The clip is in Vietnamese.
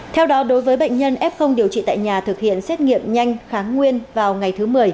theo đó đối với bệnh nhân f điều trị tại nhà thực hiện xét nghiệm nhanh kháng nguyên vào ngày thứ một mươi